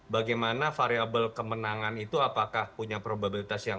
bagaimana variable kemenangan itu apakah punya probabilitas yang